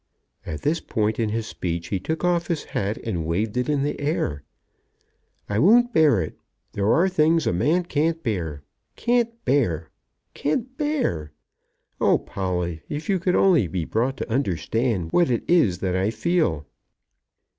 At this point in his speech he took off his hat and waved it in the air. "I won't bear it. There are things a man can't bear, can't bear, can't bear. Oh, Polly! if you could only be brought to understand what it is that I feel!"